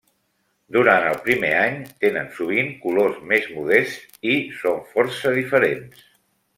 Durant el primer any, tenen sovint colors més modests i són força diferents.